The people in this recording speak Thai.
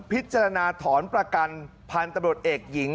พิจารณาถอนประกันพันธุ์ตำรวจเอกหญิง